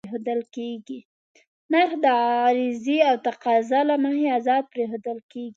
نرخ د عرضې او تقاضا له مخې ازاد پرېښودل کېږي.